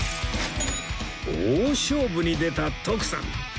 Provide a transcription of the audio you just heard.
大勝負に出た徳さん